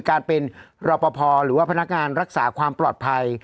การเป็นรอปภหรือว่าพนักงานรักษาความปลอดภัย